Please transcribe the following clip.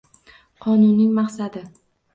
Qonunning maqsadi